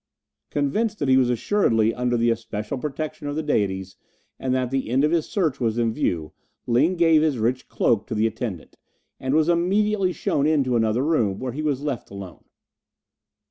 '" Convinced that he was assuredly under the especial protection of the Deities, and that the end of his search was in view, Ling gave his rich cloak to the attendant, and was immediately shown into another room, where he was left alone.